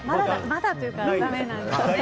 まだというか、だめなんですよね。